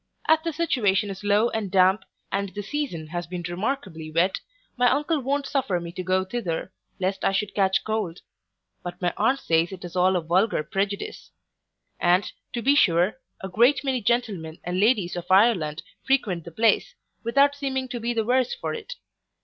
As the situation is low and damp, and the season has been remarkably wet, my uncle won't suffer me to go thither, lest I should catch cold: but my aunt says it is all a vulgar prejudice; and, to be sure, a great many gentlemen and ladies of Ireland frequent the place, without seeming to be the worse for it.